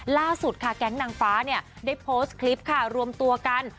ล่าสุดค่ะแก๊งนางฟ้าเนี่ยได้โพสต์คลิปค่ะรวมตัวกัน